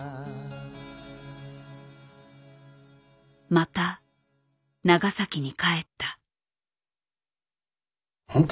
また長崎に帰った。